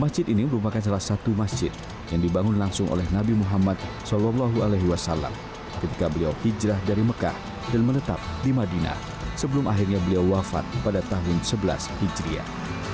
masjid ini merupakan salah satu masjid yang dibangun langsung oleh nabi muhammad saw ketika beliau hijrah dari mekah dan menetap di madinah sebelum akhirnya beliau wafat pada tahun sebelas hijriah